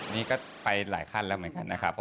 นี่ก็ไปหลายขั้นแล้วเหมือนกันนะครับ